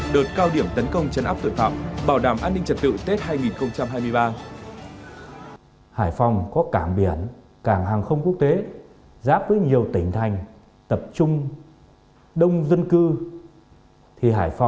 đợt cao điểm tấn công chấn áp tội phạm bảo đảm an ninh trật tự tết hai nghìn hai mươi ba